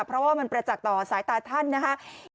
เพราะว่ามันประจักษ์ต่อสายตาท่านนะครับ